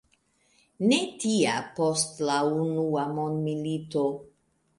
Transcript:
Ne tia post la unua mondmilito.